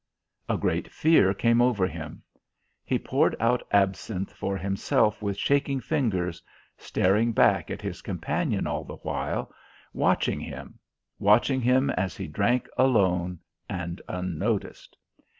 A great fear came over him. He poured out absinthe for himself with shaking fingers, staring back at his companion all the while, watching him, watching him as he drank alone and unnoticed.